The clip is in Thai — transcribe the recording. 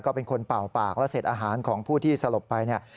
ก็เป็นคนเป่าปากและเสร็จอาหารของผู้ที่สลบไปเนี่ย